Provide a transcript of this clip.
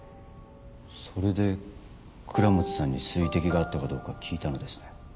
それで倉持さんに水滴があったかどうか聞いたのですね。